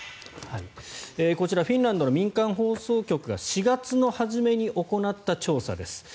こちらフィンランドの民間放送局が４月の初めに行った調査です。